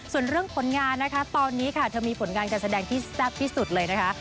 ส่วนเรื่องผลงานนะคะตอนนี้ค่ะเธอมีผลงานการแสดงที่แซ่บที่สุดเลยนะคะ